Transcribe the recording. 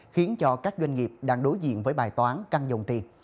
khiến cho các doanh nghiệp đang đối diện với bài toán căng dòng tiền